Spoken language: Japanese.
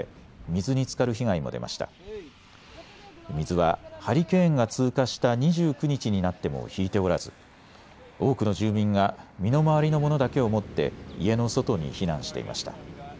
水はハリケーンが通過した２９日になっても引いておらず、多くの住民が身の回りの物だけを持って家の外に避難していました。